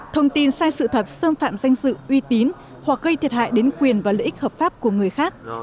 thông tin sai sự thật xâm phạm danh dự uy tín hoặc gây thiệt hại đến quyền và lợi ích hợp pháp của người khác